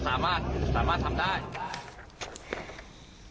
สามารถทำได้